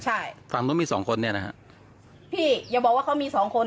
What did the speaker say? ใช่ฝั่งนู้นมีสองคนเนี่ยนะฮะพี่อย่าบอกว่าเขามีสองคน